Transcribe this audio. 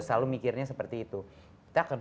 selalu mikirnya seperti itu kita akan